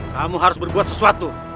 kamu harus berbuat sesuatu